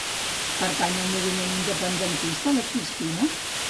Pertany al moviment independentista la Crispina?